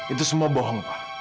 itu semua bohong pak